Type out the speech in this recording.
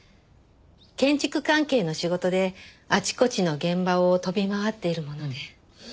建築関係の仕事であちこちの現場を飛び回っているもので。